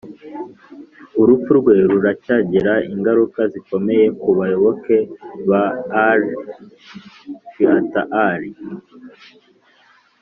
urupfu rwe ruracyagira ingaruka zikomeye ku bayoboke ba ʽalī (shīʽat ʽalī)